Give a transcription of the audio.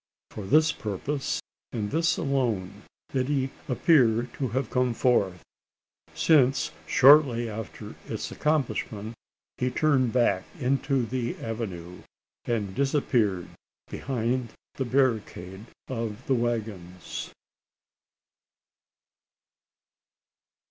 For this purpose, and this alone, did he appear to have come forth: since, shortly after its accomplishment, he turned back into the avenue, and disappeared behind the barricade of the waggons!